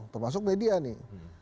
termasuk media nih